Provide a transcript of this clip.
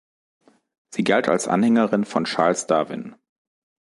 Sie galt als Anhängerin von Charles Darwin.